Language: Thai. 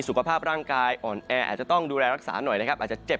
สุขภาพร่างกายอ่อนแออาจจะต้องดูแลรักษาหน่อยนะครับอาจจะเจ็บ